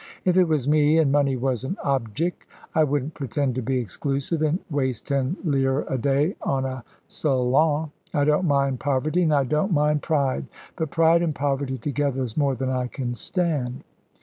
"If it was me, and money was an objick, I wouldn't pretend to be exclusive, and waste ten lire a day on a salon. I don't mind poverty, and I don't mind pride but pride and poverty together is more than I can stand."